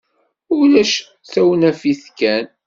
Ulac, d tawnafit kan.